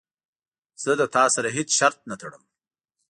زه له تا سره هیڅ شرط نه ټړم.